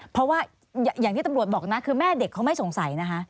เพราะว่าอย่างที่ตำรวจบอกนะคือแม่เด็กเขาไม่สงสัยนะคะ